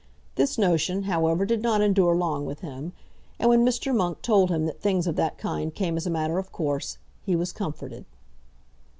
This notion, however, did not endure long with him, and when Mr. Monk told him that things of that kind came as a matter of course, he was comforted.